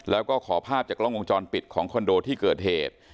แล้วก็ขอภาพจากกล้องวงจรปิดของคอนโดที่เกิดเหตุ